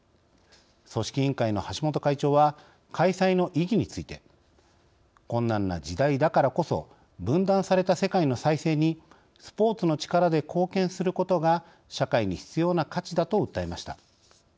組織委員会の橋本会長は開催の意義について「困難な時代だからこそ分断された世界の再生にスポーツの力で貢献することが社会に必要な価値だ」と訴えました。